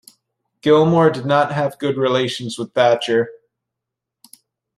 Gilmour did not have good relations with Thatcher.